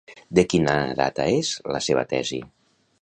De quina data és la seva tesi?